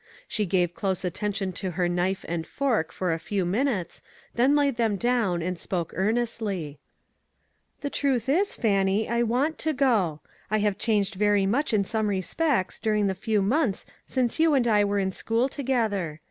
She gave close atten tion to her knife and fork for a few min utes, then laid them down, and spoke earn nestly :" The truth is, Fannie, I want to go ; I have changed very much in some respects during the few months since you and I were in school together.